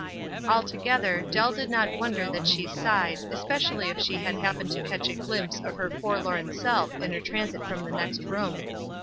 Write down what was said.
Altogether, Dell did not wonder that she sighed, especially if she had happened to catch a glimpse of her forlorn self in her transit from the next room.